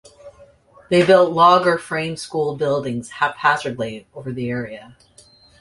They built log or frame school buildings haphazardly over the area.